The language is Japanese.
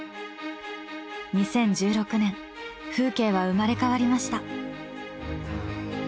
２０１６年風景は生まれ変わりました。